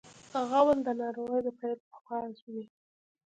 غول د ناروغۍ د پیل اواز وي.